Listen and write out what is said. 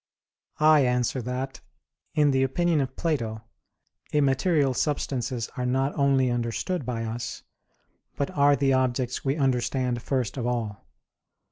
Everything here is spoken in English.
I answer that, In the opinion of Plato, immaterial substances are not only understood by us, but are the objects we understand first of all.